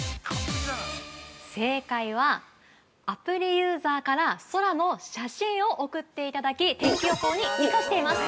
◆正解は、アプリユーザーから空の写真を送っていただき、天気予報に生かしています。